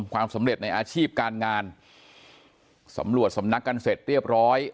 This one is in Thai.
ความสำเร็จในอาชีพการงานสำรวจสำนักกันเสร็จเรียบร้อย